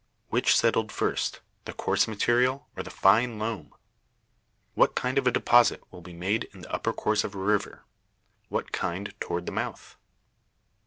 Which settled first, the coarse material or fine loam? What kind of a deposit will be made in the upper course of a river? What kind toward the mouth?